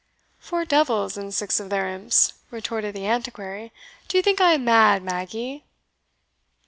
"Four devils and six of their imps!" retorted the Antiquary; "do you think I am mad, Maggie?"